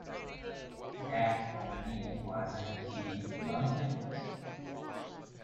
That for me was a key moment.